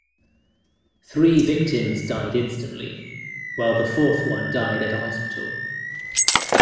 Three victims died instantly, while the fourth one died at a hospital.